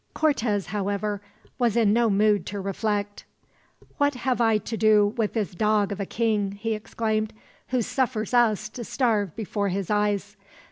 Cortez, however, was in no mood to reflect. "What have I to do with this dog of a king," he exclaimed, "who suffers us to starve before his eyes?